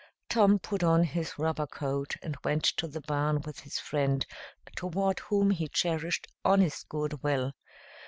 Tom put on his rubber coat and went to the barn with his friend, toward whom he cherished honest good will.